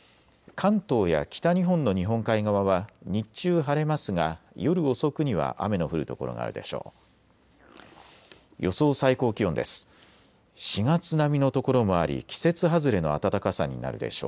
関東や北日本の日本海側は日中晴れますが夜遅くには雨の降る所があるでしょう。